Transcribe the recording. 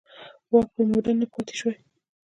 واک پر موده نه پاتې شوي.